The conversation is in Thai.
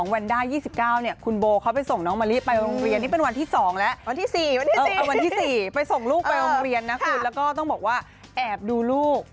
วันได้๒๙เนี่ยคุณโบเขาไปส่งน้องมะลิไปโรงเรียนนี่เป็นวันที่๒แล้ววันที่๔วันที่๔ไปส่งลูกไปโรงเรียนนะคุณแล้วก็ต้องบอกว่าแอบดูลูก